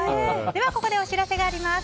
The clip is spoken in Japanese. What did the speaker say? では、ここでお知らせがあります。